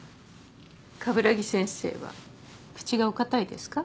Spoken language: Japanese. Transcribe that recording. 鏑木先生は口がお堅いですか？